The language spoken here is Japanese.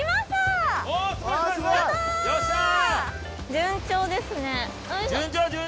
順調ですね。